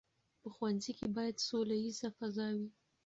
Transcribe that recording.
په ښوونځي کې باید سوله ییزه فضا وي.